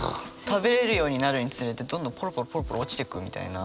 食べれるようになるにつれてどんどんぽろぽろぽろぽろ落ちてくみたいな。